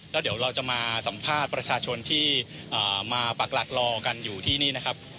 แล้วเดี๋ยวเราจะมาสัมภาษณ์ประชาชนที่มาปักหลักรอกันอยู่ที่นี่นะครับ